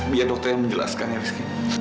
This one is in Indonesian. biar dokter yang menjelaskannya rizky